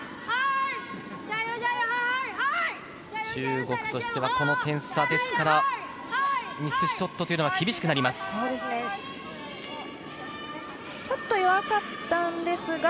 中国としてはこの点差ですからミスショットは厳しくなります。